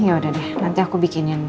yaudah deh nanti aku bikinin